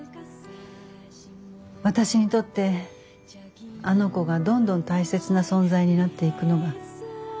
私にとってあの子がどんどん大切な存在になっていくのが。